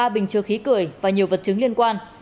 bình chưa khí cười và nhiều vật chứng liên quan